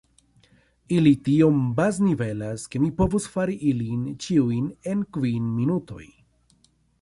Ili tiom baznivelas, ke mi povus fari ilin ĉiujn en kvin minutoj.